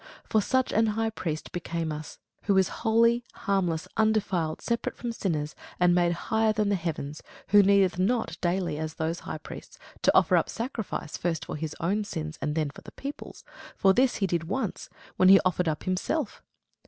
For such an high priest became us, who is holy, harmless, undefiled, separate from sinners, and made higher than the heavens; who needeth not daily, as those high priests, to offer up sacrifice, first for his own sins, and then for the people's: for this he did once, when he offered up himself.